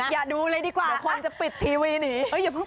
อย่าดูเลยดีกว่าเดี๋ยวคนจะปิดทีวีนี้